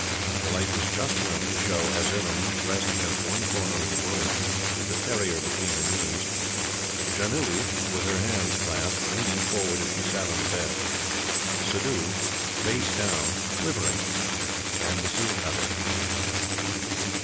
The light was just enough to show Azizun, pressed against one corner of the room with the terrier between her knees; Janoo, with her hands clasped, leaning forward as she sat on the bed; Suddhoo, face down, quivering, and the seal cutter.